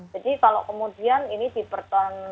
jadi kalau kemudian ini dipertanggungjawab